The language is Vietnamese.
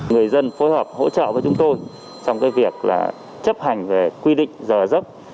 người dân phối hợp hỗ trợ với chúng tôi trong việc chấp hành quy định giờ dốc